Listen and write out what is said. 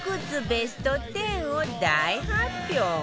ベスト１０を大発表